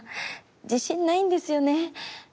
自信ないんですよね。